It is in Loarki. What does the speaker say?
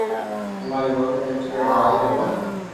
امري بولي ني انٽرنيٽ لاوي ھگو